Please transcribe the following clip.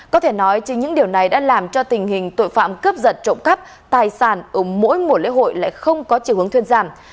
có thể nói chính những điều này đã làm cho tình hình tội phạm cướp giật trộm cắp tài sản ở mỗi mùa lễ hội lại không có chiều hướng thuyên giảm